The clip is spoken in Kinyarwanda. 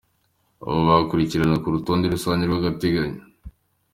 Uko bakurikirana ku rutonde rusange rw’agateganyo.